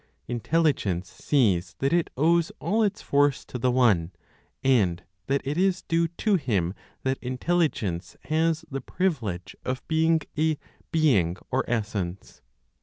Intelligence sees that it owes all its force to the One, and that it is due to Him that Intelligence has the privilege of being a "being" (or, essence).